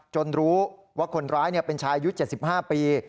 รู้ว่าคนร้ายเป็นชายุค๗๕ปี